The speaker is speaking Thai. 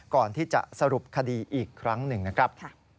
ก่อนที่จะสรุปคดีอีกครั้งหนึ่งนะครับ